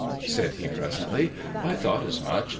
' said he presently. ' I thought as much.